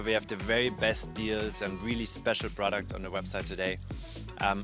memastikan kita memiliki perjanjian terbaik dan produk yang sangat istimewa di website hari ini